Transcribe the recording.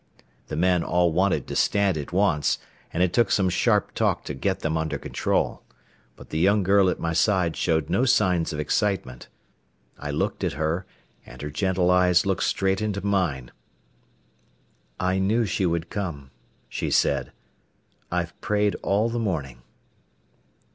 The men all wanted to stand at once, and it took some sharp talk to get them under control; but the young girl at my side showed no signs of excitement. I looked at her, and her gentle eyes looked straight into mine. "I knew she would come," she said. "I've prayed all the morning."